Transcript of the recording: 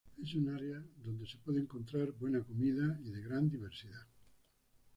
Es un área donde se puede encontrar buena comida y de gran diversidad.